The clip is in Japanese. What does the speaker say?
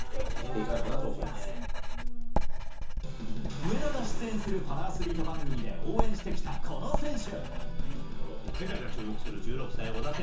上田が出演するパラアスリート番組で応援してきた、この選手。